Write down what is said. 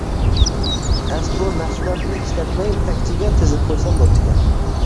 ئەسلى ئۇ مەھسۇلاتنى ئىشلەتمەي تەكچىگە تىزىپ قويسام بوپتىكەن.